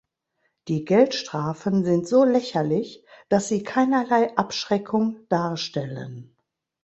Die Geldstrafen sind so lächerlich, dass sie keinerlei Abschreckung darstellen.